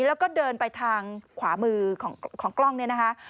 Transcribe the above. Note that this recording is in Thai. แล้วก็เดินไปทางขวามือของกล้องเนี่ยนะคะ